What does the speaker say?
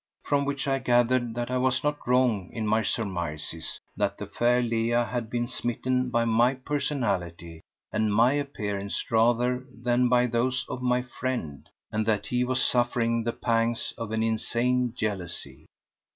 From which I gathered that I was not wrong in my surmises, that the fair Leah had been smitten by my personality and my appearance rather than by those of my friend, and that he was suffering the pangs of an insane jealousy.